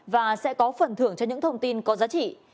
và sẽ có phần thưởng cho những thông tin có giá trị